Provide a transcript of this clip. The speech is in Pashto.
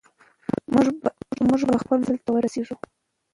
موږ به خپل منزل ته ورسېږو.